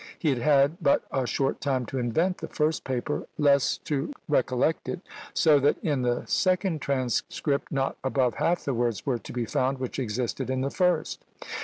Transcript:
He had had but a short time to invent the first paper, less to recollect it; so that in the second transcript not above half the words were to be found which existed in the first.